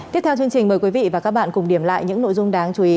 tiếp theo chương trình mời quý vị và các bạn cùng điểm lại những nội dung đáng chú ý